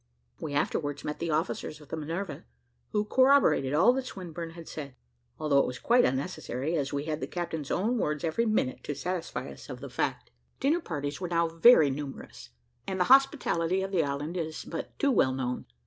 We afterwards met the officers of the Minerve, who corroborated all that Swinburne had said, although it was quite unnecessary, as we had the captain's own words every minute to satisfy us of the fact. Dinner parties were now very numerous, and the hospitality of the island is but too well known.